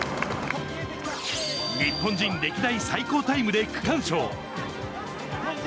日本人歴代最高タイムで区間賞。